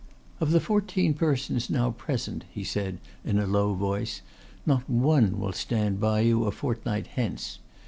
"Of the fourteen persons now present," he said, in a low voice, "not one will stand by you a fortnight hence.